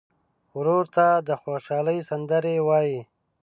ورور ته د خوشحالۍ سندرې وایې.